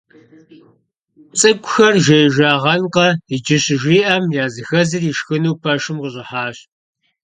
ЦӀыкӀухэр жеижагъэнкъэ иджы щыжиӀэм, языхэзыр ишхыну пэшым къыщӀыхьащ.